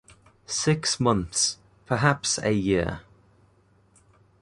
Six months, perhaps a year.